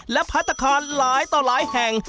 และพัฒนาคารหลายต่อหลายแห่ง